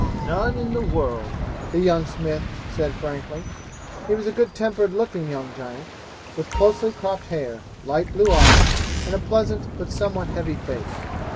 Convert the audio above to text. "None in the world," the young smith said frankly. He was a good tempered looking young giant, with closely cropped hair, light blue eyes, and a pleasant but somewhat heavy face.